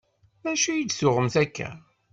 D acu i d-tuɣemt akka?